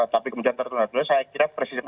tapi kemudian tertunda dulu saya kira presiden